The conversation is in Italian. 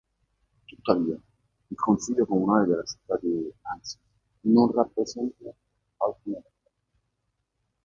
Tuttavia, il Consiglio comunale della città di Annecy non è rappresentato al funerale.